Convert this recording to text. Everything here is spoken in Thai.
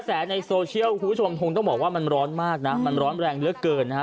ในโซเชียลคุณผู้ชมคงต้องบอกว่ามันร้อนมากนะมันร้อนแรงเหลือเกินนะฮะ